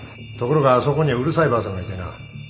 ところがあそこにはうるさいばあさんがいてな